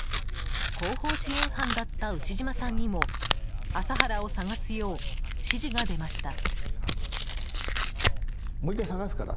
後方支援班だった牛島さんにも麻原を捜すよう指示が出ました。